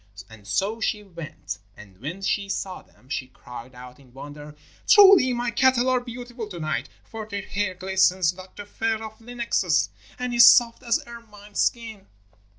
And so she went, and when she saw them she cried out in wonder: 'Truly my cattle are beautiful to night, for their hair glistens like the fur of lynxes, and is soft as ermine skin.'